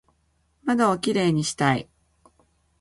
窓をキレイにしたい